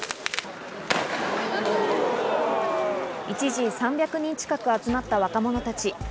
一時３００人近く集まった若者たち。